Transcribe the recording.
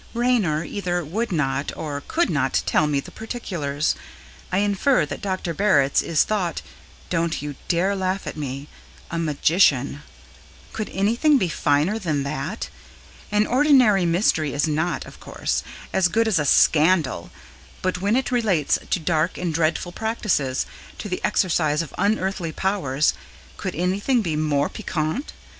Raynor either would not or could not tell me the particulars. I infer that Dr. Barritz is thought don't you dare to laugh at me a magician! Could anything be finer than that? An ordinary mystery is not, of course, as good as a scandal, but when it relates to dark and dreadful practices to the exercise of unearthly powers could anything be more piquant?